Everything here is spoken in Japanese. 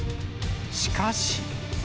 しかし。